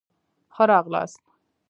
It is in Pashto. ښه را غلاست